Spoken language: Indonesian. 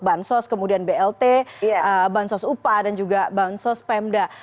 bansos kemudian blt bansos upah dan juga bansos pemda